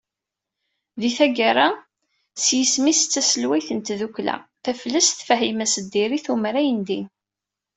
Di taggara, s yisem-is d taselwayt n tddukkla « Taflest », Fahima Seddiṛi, tumer ayendin.